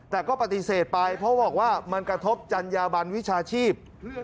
แต่ก็ปฏิเสธไปเพราะบอกว่ามันกระทบจัญญาบันวิชาชีพ